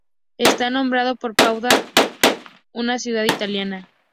Está nombrado por Padua, una ciudad italiana.